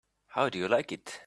How do you like it?